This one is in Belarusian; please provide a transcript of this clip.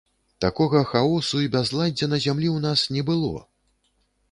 Такога хаосу і бязладдзя на зямлі ў нас не было!